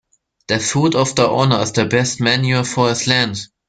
The foot of the owner is the best manure for his land.